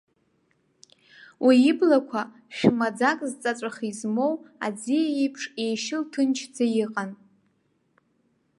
Уи иблақәа, шә-маӡак зҵаҵәах измоу аӡиа еиԥш еишьыл-ҭынчӡа иҟан.